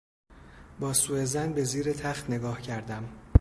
با سو ظن به زیر تخت نگاه کردم.